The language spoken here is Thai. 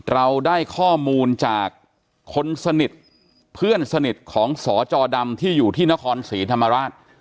เราได้ข้อมูลจากคนสนิทเพื่อนสนิทของสจดำที่อยู่ที่นครศรีธรรมราช